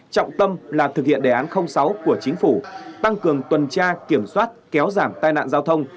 trọng tâm là thực hiện đề án sáu của chính phủ tăng cường tuần tra kiểm soát kéo giảm tai nạn giao thông